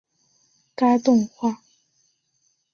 该动画的设计者是茅原伸幸。